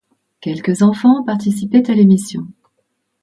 Quelques enfants participaient à l'émission.